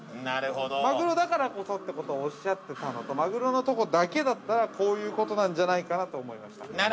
マグロだからこそということをおっしゃっていたのと、マグロのところだけだったら、こういうことなんじゃないかなと思いました。